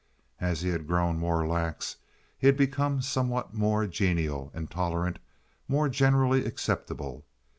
As he had grown more lax he had become somewhat more genial and tolerant, more generally acceptable.